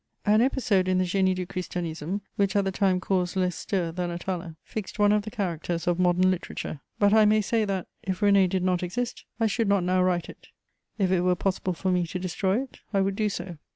An episode in the Génie du Christianisme, which at the time caused less stir than Atala, fixed one of the characters of modern literature; but I may say that, if René did not exist, I should not now write it: if it were possible for me to destroy it, I would do so.